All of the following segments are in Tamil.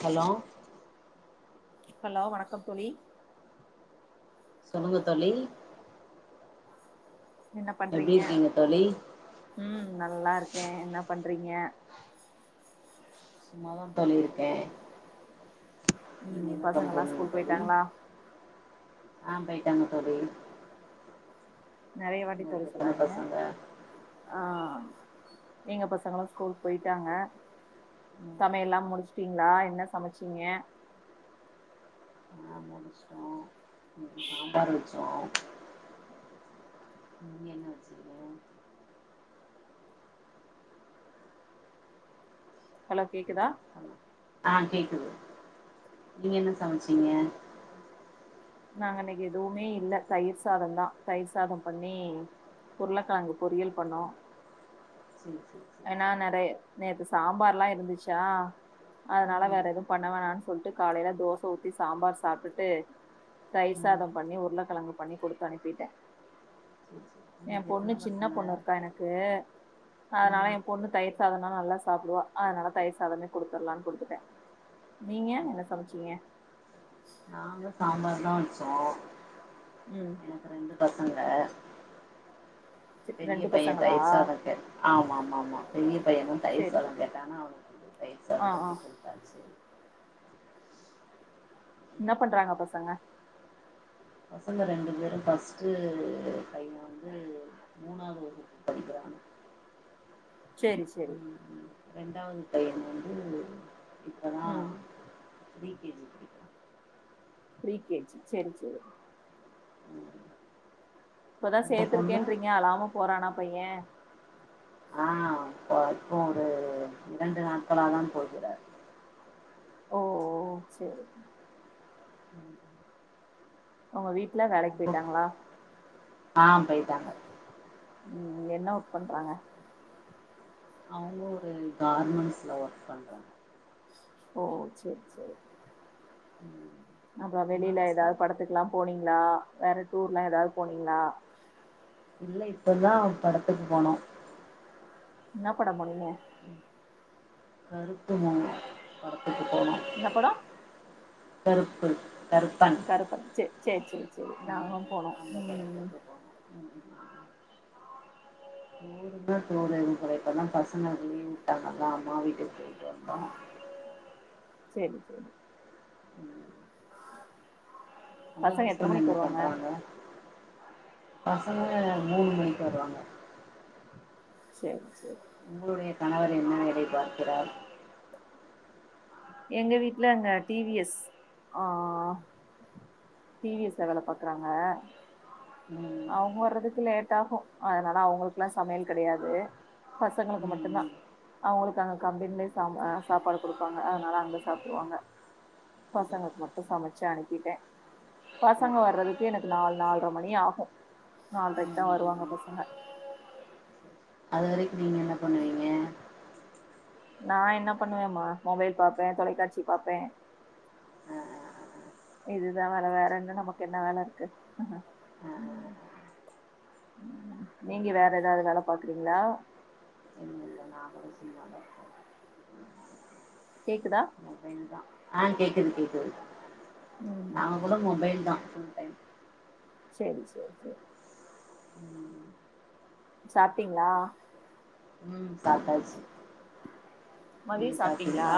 ஹலோ ஹலோ வணக்கம் தோழி சொல்லுங்க தோழி என்ன எப்டி பண்றீங்க இருக்கீங்க தோழி ம் நல்லா இருக்கே என்ன பண்றீங்க சும்மாதா தோழி இருக்கே நீங்க ம் என்ன பசங்கல்லா பண்றீங்க ஸ்கூல் தோழி போயிட்டாங்களா ஆ போயிட்டாங்க தோழி நெறைய வாட்டி தோழி உங்களுக்கு எத்தன சொல்லாதீங்க பசங்க ஆ எங்க பசங்களு ஸ்கூல் போயிட்டாங்க ம் சமையல்லா முடிச்சுடீங்ளா என்ன சமச்சீங்க ஆ முடிச்டோ இன்னிக்கு சாம்பார் வெச்சோ நீங்க என்ன வெச்சிங்க ஹலோ கேக்குதா அ ஆ கேக்குது நீங்க என்ன சமச்சீங்க நாங்க இன்னைக்கு எதுவுமே இல்ல தயிர் சாதம் தா தயிர் சாத பண்ணி உருளக்கெழங்கு பொரியல் பண்ணோ சே சே ஏன்னா நெறை நேத்து சாம்பார்ல்லா இருந்துச்சா அதனால வேற ம் எதுவு பண்ண வேணான் சொல்ட்டு காலையில தோச ஊத்தி சாம்பார் சாப்டுட்டு தயிர் ம் சாத பண்ணி உருளக்கெழங்கு பண்ணி கொடுத்து அனுப்பிட்டே சேரி சேரி எ உங்களுக்கு பொண்ணு எத்தன சின்ன பசங்க பொண்ணு இருக்கா எனக்கு ம் அதனால என் பொண்ணு தயிர் சாதனாலு நல்லா சாப்டுவா அதனால தயிர் சாதமே குடுத்தட்லானு குடுத்துட்டே நீங்க என்ன சமச்சீங்க நாங்க சாம்பார் தா வெச்சோ ம் எனக்கு ரெண்டு பசங்க பெரிய ரெண்டு பைய பசங்களா தயர்சாத கே ஆமா ஆமா ஆமா பெரிய பையனு தயிர் சரி சாத கேட்டானா அவனுக்கு ஆ அ தாச்சு என்ன பண்றாங்க பசங்க பசங்க ரெண்டு பேரு ஃபர்ஸ்ட்டு பைய வந்து மூணாவது வகுப்பு படிக்குறான் சேரி சேரி ரெண்டாவது பையன் வந்து இப்போ தான் ம் ப்ரீ கே ஜி படிக்கு ப்ரீ கே ஜி சேரி சேரி ம் இப்பதா உங்க பொண்ணு சேர்த்திருக்கேன்றீங்க அழாம போறானா பைய ஆ இப்ப இப்போ ஒரு இரண்டு நாட்களாதா போகிறா ஓ ஓ சேரி ம் உங்க வீட்ல வேலைக் உங்க போயிட்டாங்களா ஆ போய்ட்டாங்க ம் என்னா ஒர்க் பண்றாங்க அவுங்க ஒரு கார்மெண்ட்ஸ்ல ஒர்க் பண்றாங்க ஓ சேரி சேரி ம் அப்றோ உங்க வெளியில ஏதாது ஹஸ்பண்ட் படத்துக்கு எல்லா போனீங்களா வேற டூர்ல்லா ஏதாது போனீங்களா இல்ல இப்பதா படத்துக்கு போனோ இன்னா படம் போனீங்க கருப்பு மூவி படத்துக்கு போனோ இன்னா படோ கருப்பு கருப்பன் கருப்பன் சேரி சேரி சேரி சேரி ம் நாங்களு போனோ அந்த ம் படத்துக்கு போனோ ம் [inaudible] நேரமே போல [unintelligible] இப்பலா பசங்க லீவு வுட்டாங்களா அம்மா வீட்டுக்கு போயிட்டு வந்தோ சேரி சேரி ம் உங்க பசங்க எத்தன ஹஸ்பண்ட் மணிக்கு என்ன வருவாங்க பண்றாங்க பசங்க மூணு மணிக்கு வருவாங்க சேரி சேரி உங்களுடைய கணவர் என்ன வேலை பார்க்கிறார் எங்க வீட்ல இங்க டி வி எஸ் ஆ டி வி எஸ் ல வேல பாக்குறாங்க ம் அவங்க வர்றதுக்கு லேட் ஆகு அதனால அவங்களுக்குலா சமையல் கெடையாது பசங்களுக்கு ம் மட்டுதா ம் அவுங்களுக்கு அங்க கம்பெனிலயே சா சாப்பாடு குடுப்பாங்க அதனால அங்க சாப்ட்ருவாங்க சரி பசங்களுக்கு மட்டு சமச்சு அனுப்பிட்டே பசங்க ஓகே வர்றதுக்கு எனக்கு நாலு நால்ர மணி ஆகு நால்ரைக்கு ம் ம் தா ம் வருவாங்க ம் பசங்க அது வரைக்கு நீங்க என்ன பண்ணுவீங்க நா என்ன பண்ணுவேமா மொபைல் பாப்பே தொலைக்காட்சி பாப்பே இதுதா வேல வேற என்ன நமக்கு என்ன வேல இருக்கு அ நீங்க வேற ஏதாவது வேல பாக்குறீங்களா இ இல்ல நா [unintelligible] கேக்குதா ஆ கேக்குது கேக்குது ம் நாங்க கூட மொபைல் தா சேரி சேரி சேரி ம், சாப்ட்டீங்ளா ம் சாப்டாச்சு மதிய நீங்க சாப்ட்டீங்களா சாப்டீங்ளா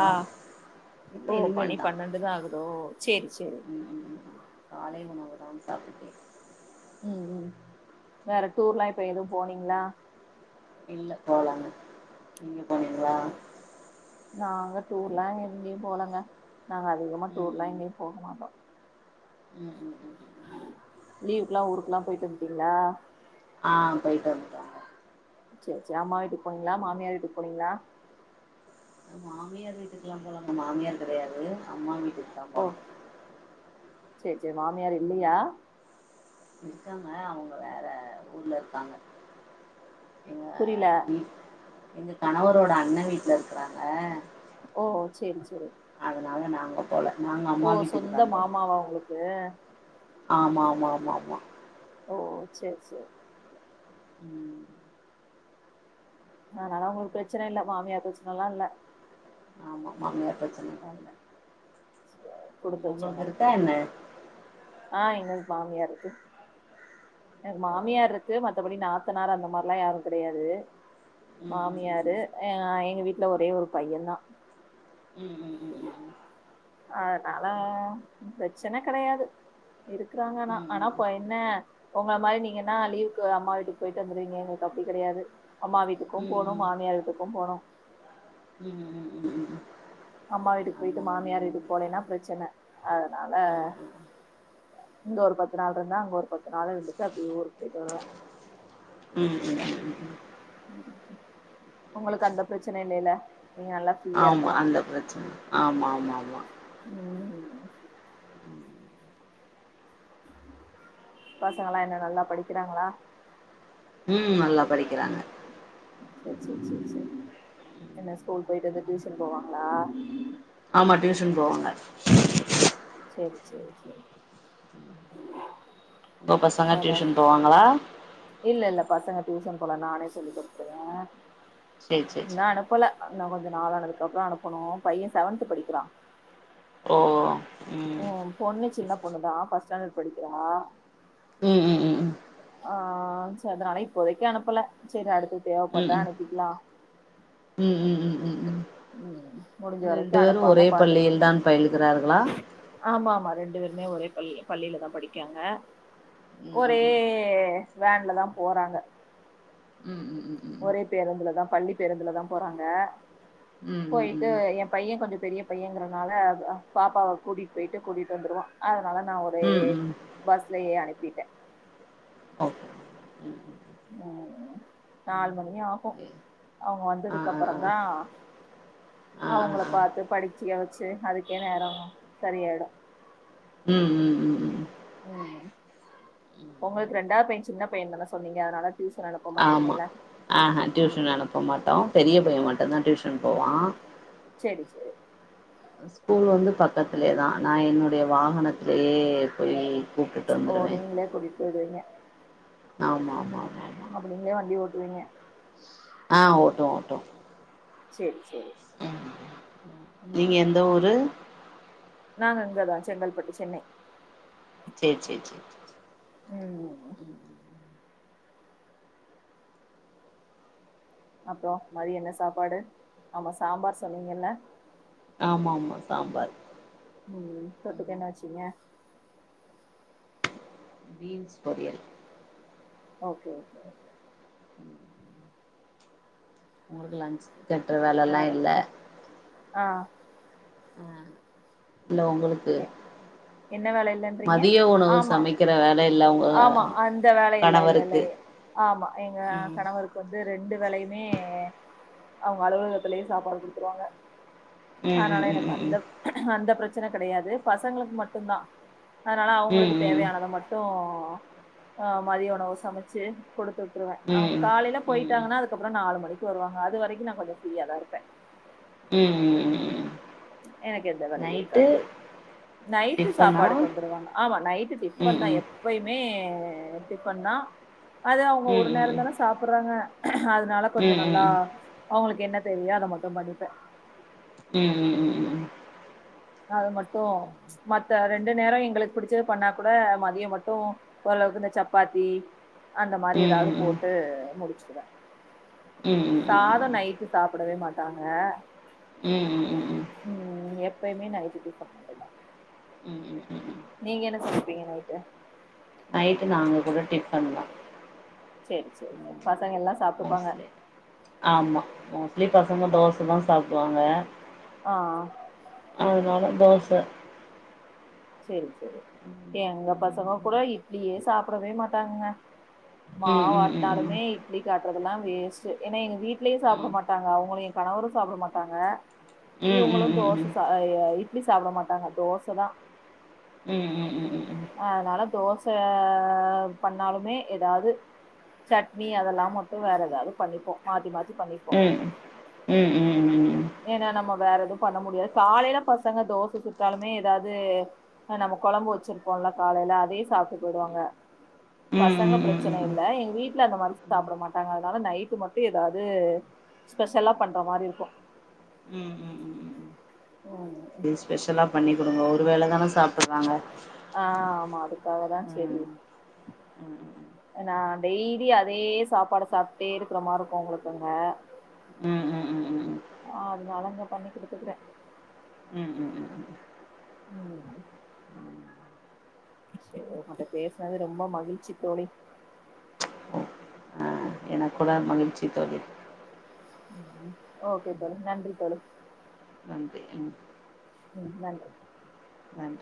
இப்ப ஓ மணி இனிமேல்தா பன்னெண்டுதா ஆகுதோ சேரி சேரி ம் காலை உணவுதான் சாப்பிட்டேன் ம் ம் வேற டூர்ல்லா இப்ப எதுவும் போனீங்ளா இல்ல போலங்க நீங்க போனீங்ளா நாங்க டூர்ல்லா எங்கயும் போலங்க நாங்க அதிகமா ம் டூர்ல்லா ம் எங்கேயும் போக மாட்டோ ம் ம் ம் ம். லீவ்க்கெல்லா ஊருக்கெல்லா போயிட்டு வந்தட்டீங்ளா ஆ போய்ட்டு வந்ட்டோ சேரி சேரி அம்மா வீட்டுக்கு போனீங்ளா மாமியாரு வீட்டுக்கூ போனீங்ளா மாமியார் வீட்டுக்கெல்லா போலங்க மாமியார் கெடையாது அம்மா வீட்டுக்குதான் ஓ போனோ சேரி சேரி மாமியார் ம் இல்லயா இருக்காங்க அவங்க வேற ஊர்ல இருக்காங்க எங்க புரில எங்க கணவரோட அண்ண வீட்ல இருக்கறாங்க ஓ சேரி சேரி அதுனால நாங்க போல நாங்க ஓ அம்மா வீட்டுக்கு தா சொந்த மாமாவா உங்களுக்கு ஆ மா மா மா மா ஓ சேரி சேரி ம் அதனால உங்களுக்கு பிரச்சன இல்ல மாமியார் பிரச்சனெல்லா இல்ல ஆமா மாமியார் பிரச்சனல்லா இல்ல சரி, குடுத்து உங்களுக்கு வச்சவங்கதா இருக்கா என்ன ஆ எங்களுக்கு மாமியாரு இருக்கு எனக்கு ஓ மாமியார் இருக்கு மத்தபடி நாத்தனார் அந்த மாரில்லா யாரு கெடையாது ம் ம் ம் மாமியாரு அ எங்க வீட்ல ஒரே ஒரு பையன்தா ம் ம் ம் ம் அதனால பிரச்சன கெடையாது இருக்கறாங்க ஆனா ஆனா இப்ப என்ன உங்கள மாரி நீங்கனா லீவுக்கு அம்மா வீட்டுக்கு போயிட்டு வந்துருவீங்க எங்களுக்கு அப்டி கெடையாது அம்மா வீட்டுக்கும் போனு மாமியார் வீட்டுக்கும் போணு ம் ம் ம் ம் ம் அம்மா வீட்டுக்கு அந்த போயிட்டு மாரிலா மாமியார் இல்ல வீட்டுக்கு போலைனா பிரச்சன அதனால ஆ ஆ ம் இங்க ஒரு பத்து நாள் இருந்த அங்க ஒரு பத்து நாள் இருந்துட்டு அப்டியே ஊருக்கு போயிட்டு வருவ ம் ம் ம் ம் ம் உங்களுக்கு அந்த பிரச்சன இல்லையல்ல நீங்க நல்லா ஃப்ரீயா ஆமா இருக்கலா அந்த பிரச்சன ஆமாமாமா ஒன்னு இல்ல பசங்க எல்லா என்ன நல்லா படிக்கறாங்ளா ம் நல்லா படிக்கிறாங்க சேரி சேரி சேரி சேரி என்ன ஸ்கூல் போயிட்டு வந்து டியூஷன் போவாங்ளா ஆமா டியூஷன் போவாங்க சேரி சேரி சேரி உங்க பசங்க டியூஷன் போவாங்ளா இல்லல்ல பசங்க டியூஷன் போல நானே சொல்லி குடுத்துருவே சேரி சேரி இன்னு சேரி அனுப்பல அதுஇன்னு கொஞ்ச நாளானனதுக்கு அப்பறோ அனுப்பனும் பையே செவன்த் படிக்கிறா ஓ ம் ஓ பொண்ணு சின்ன பொண்ணு தா ஃபஸ்ட்டு ஸ்டாண்டர்ட் படிக்கிறா ம் ம் ம் ம் ஆ செரி அதனால இப்போதைக்கு அனுப்பல செரி அடுத்து ம் தேவைப்பட்டா ம் அனுப்பிக்கிலா ம் ம் ம் ம் ம் ம் முடிஞ்ச வரைக்கு ரெண்டு பேரு ஒரே அனுப்பாம பாத்து பள்ளியில தான் பயிலுகிறார்களா ஆமா ஆமா ரெண்டு பேருமே ஒரே பள்ளி பள்ளியில தா படிக்காங்க ம் ஒரே ம் வேன்ல தா போறாங்க ம் ம் ம் ம் ஒரே பேருந்துலதா பள்ளி பேருந்துலதா போறாங்க ம் ம் ம் போயிட்டு என் பையே கொஞ்ச பெரிய பையங்கிறனால பாப்பாவை கூட்டிட்டு போயிட்டு கூட்டிட்டு வந்துருவா அதனால நா ஒரு ம் ம் ம் ம் பஸ்லயே அனுப்பிட்டே ஓகே ம் ம் ம் ம் நாலு மணி ஆகு ஏ அவுங்க ஆ வந்ததுக்கு ஆ அப்பற ஆ தா ஆ ஆ அவுங்கள ஆ பாத்து படிச்சுக்க வச்சு அதுக்கே நேரோ சரியாயிடு ம் ம் ம் ம் ம் உங்களுக்கு ரெண்டாவது பையே சின்ன பைய தானே சொன்னீங்க அதனால டியூஷன் அனுப்ப மாட்டீங்கல்ல ஆ ஹ டியூஷன் உம் அனுப்ப மாட்டோ பெரிய பையே மட்டுதா டியூஷன் போவா சேரி சேரி ஸ்கூல் வந்து பக்கத்திலயேதா நா என்னுடைய வாகனத்திலேயே போய் கூப்ட்டுட்டு ஓ வந்துருவேன் நீங்களே கூட்டிட்டு போய் விடுவீங்க ஆமா ஆமா ஆமா அப்ப நீங்களே வண்டி ஓட்டுவீங்க ஆ ஓட்டுவோ ஓட்டுவோ சேரி சேரி நீங்க ம் எந்த ஊரு நாங்க அங்கதா செங்கல்பட்டு சென்னை சேரி சேரி சேரி சேரி ம் ம் அப்பறோ மதிய என்ன சாப்பாடு ஆமா சாம்பார் சொன்னீங்கல்ல ஆமா ஆமா சாம்பார் ம் தொட்டுக்க ம் என்ன வச்சிங்க பீன்ஸ் பொரியல் ஓகே ஓகே ஓகே ம் ஹும் உங்களுக்கு லன்ஞ்ச் கட்டுற வேலல்லா வேற இல்ல ஆ அ இல்ல உங்களுக்கு எ என்ன வேல இல்லன்றீங்க மதிய உணவு ஆமா சமைக்கிற வேல இல்ல உங்க ஆமா அந்த வேல இல்ல இல்ல இல்ல கணவருக்கு ஆமா எங்க ம் கணவருக்கு வந்து ரெண்டு வேலையுமே அவுங்க அலுவலகத்திலேயே சாப்பாடு குடுத்துருவாங்க ம் அதுனால ம் எனக்கு ம் அந்த அந்த பிரெச்சன கெடையாது பசங்களுக்கு மட்டு தா அதனால ம் அவுங்களுக்கு ம் ம் தேவையானத மட்டு ஆ மதிய உணவு சமைச்சு கொடுத்து உட்ருவே ம் அவுங் ம் காலைல போயிட்டாங்கன்னா அதுக்கப்பறோ நாலு மணிக்கு வருவாங்க அது வரைக்கு நா கொஞ்ச ஃப்ரீயா தா இருப்ப ம் ம் ம் ம் எனக்கு எந்த வேலையு நைட்டு இருக்காது நைட்டு டிஃபனா சாப்பாடுக்கு வந்துருவாங்க ஆமா நைட்டு ம் டிஃபன் தா ம் எப் பயுமே டிஃபன் தா அத அவுங்க ஒரு ம் ம் நேரோ ம் தான சாப்பட்றாங்க அதனால ம் கொஞ்சோ ம் நல்லா ம் அவுங்ளுக்கு என்ன தேவையோ அத மட்டு பண்ணிப்ப ம் ம் ம்ம் அது மட்டு மத்த ரெண்டு நேரோ எங்களுக்கு புடிச்சது பண்ணா கூட மதிய மட்டு ஓரளவுக்கு இந்த சப்பாத்தி அந்த மாறி ம் ம் எதாவது ம் போட்டு முடிச்சுடுவ ம் ம் ம் சாதோ நைட்டு சாப்படவே மாட்டாங்க ம் ம் ம் ம் ம் எப்பயுமே நைட்டு டிஃபன் மட்டுதா ம் ம் ம் ம் நீங்க என்ன சமைப்பீங்க நைட்டு நைட்டு நாங்கக் கூட டிஃபன் தா சேரி சேரி பசங்க எல்லா சாப்ட்டுப்பாங்க மோஸ்லி ஆமா மோஸ்லி பசங்க ஆ தோசதா சாப்டுவாங்க ஆ அதனால தோசா எங்க பசங்க கூட இட்லியே சாப்டவே மாட்டாங்கங்க ம் மாவு ம் ம் ம் ஆட்னாலுமே வீக் ஆட்டறதெல்லா வேஸ்ட்டு ஏன்னா எங்க வீட்லயே சாப்ட ம் மாட்டாங்க அவுங்களு எ கணவரு சாப்ட மாட்டாங்க ம் இவங்களு ம் தோச ம் ச ஆ இட்லி சாப்ட மாட்டாங்க தோச தா ம் ம் ம் அதனால தோச ஆ பண்ணாலுமே எதாது சட்னி அதெல்லா மட்டு வேற எதாது பண்ணிப்போ மாத்தி மாத்தி பண்ணிப்போ ம் ம் ம் ம் ஏனா நம்ம வேற எதும் பண்ண முடியாது காலைல பசங்க தோச சுட்டாலுமே எதாது ஆ நம்ம கொழம்பு வச்சுருப்போல காலைல அதே சாப்ட்டு போய்டுவாங்க பசங்க பிரச்சன இல்ல எங்க வீட்ல அந்த மாரி சாப்ட மாட்டாங்க அதனால நைட்டு மட்டு எதாது ஸ்பெஷலா பண்ற மாரி மாறியிருக்கு ம் இது ஸ்பெஷலா பண்ணி் குடுங்க ஒரு வேள தான சாப்பட்றாங்க ஆ ஆமா அதுக்காக தா சேரி ம் ம் ம் நா டெய்லி அதே சாப்பாட சாப்ட்டே இருக்கற மார் இருக்கு உங்ளுக்கு அங்க ம் ம் ம்ம் ஆ அதுனால இங்க பண்ணி குடுத்துக்கற ம் ம் ம்ம் ம் சேர் உங்கட்ட பேசுனது ரொம்ப மகிழ்ச்சி தோழி இப்பதா மகிழ்ச்சி தோழி ம் ம் ஓகே தோழி நன்றி தோழி நன்றி ம் ம் நன்றி நன்றி